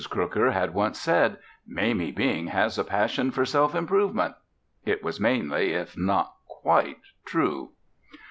Crooker had once said, "Mamie Bing has a passion for self improvement." It was mainly if not quite true.